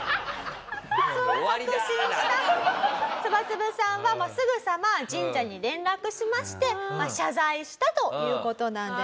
そう確信したそばつぶさんはすぐさま神社に連絡しまして謝罪したという事なんでございます。